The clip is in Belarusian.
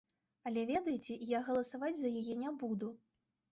Але ведаеце, я галасаваць за яе не буду.